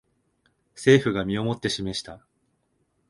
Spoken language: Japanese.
政府が身をもって示した